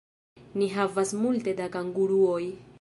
Ni havas multe da kanguruoj